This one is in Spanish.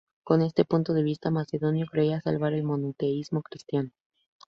Con este punto de vista, Macedonio creía salvar el monoteísmo cristiano.